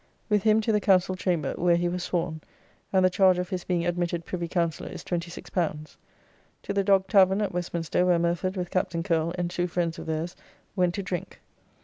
With him to the Council Chamber, where he was sworn; and the charge of his being admitted Privy Counsellor is L26. To the Dog Tavern at Westminster, where Murford with Captain Curle and two friends of theirs went to drink.